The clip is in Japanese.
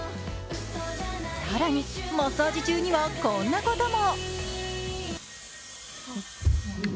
更にマッサージ中にはこんなことも。